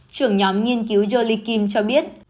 trưởng nhóm nghiên cứu jolie kim cho biết